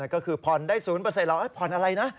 ก็คือผ่อนได้๐เราผ่อนอะไรนะ